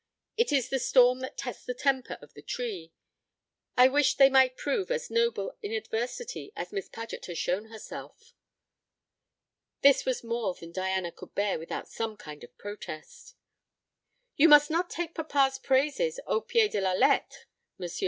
It is the storm that tests the temper of the tree. I wish they might prove as noble in adversity as Miss Paget has shown herself." This was more than Diana could bear without some kind of protest. "You must not take papa's praises au pied de la lettre, M.